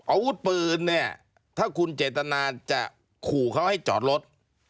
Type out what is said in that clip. อาวุธปืนเนี่ยถ้าคุณเจตนาจะขู่เขาให้จอดรถ